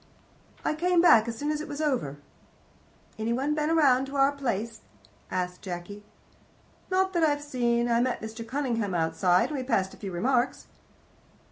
"I came back as soon as it was over." "Any one been round to our place?" asked Jacky. "Not that I've seen. I met Mr. Cunningham outside, and we passed a few remarks."